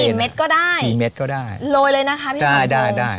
ปีเม็ดก็ได้ปีเม็ดก็ได้โรยเลยนะคะพี่สมพงษ์ได้ได้ได้